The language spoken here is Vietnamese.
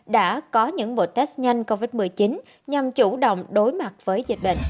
đã có những bộ test nhanh covid một mươi chín nhằm chủ động đối mặt với dịch bệnh